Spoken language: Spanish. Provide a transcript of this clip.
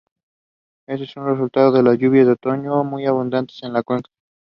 Esto es el resultado de las lluvias de otoño, muy abundantes en la cuenca.